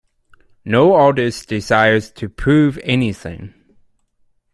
No artist desires to prove anything.